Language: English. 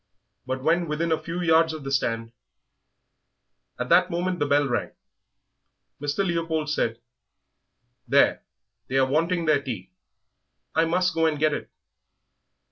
But when within a few yards of the stand " At that moment the bell rang. Mr. Leopold said, "There, they are wanting their tea; I must go and get it."